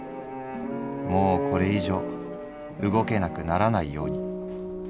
もうこれ以上動けなくならないように」。